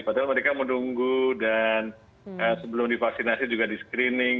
padahal mereka menunggu dan sebelum divaksinasi juga di screening